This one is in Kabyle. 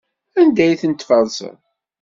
Anda ay ten-tferseḍ?